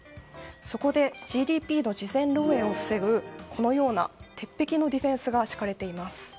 そこでＧＤＰの事前漏洩を防ぐ鉄壁なディフェンスが敷かれています。